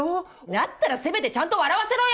だったらせめてちゃんと笑わせろよ！